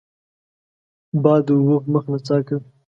باد د اوبو په مخ نڅا کوي